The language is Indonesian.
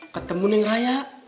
ketemu nih ngeraya